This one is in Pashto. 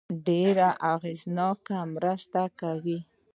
ډېره اغېزناکه مرسته کوي.